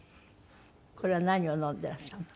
これは何を飲んでいらっしゃるの？